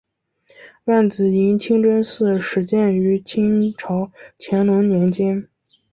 万子营清真寺始建于清朝乾隆年间。